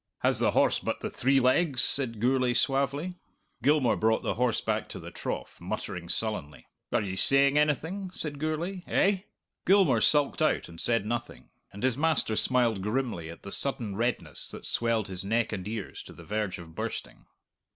"Has the horse but the three legs?" said Gourlay suavely. Gilmour brought the horse back to the trough, muttering sullenly. "Were ye saying anything?" said Gourlay. "Eih?" Gilmour sulked out and said nothing; and his master smiled grimly at the sudden redness that swelled his neck and ears to the verge of bursting.